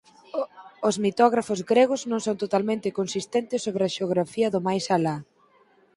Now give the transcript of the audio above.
Os mitógrafos gregos non son totalmente consistentes sobre a xeografía do máis alá.